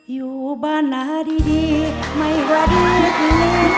อยู่บ้านหน้าดีไม่ว่าดีที่มีตาหัว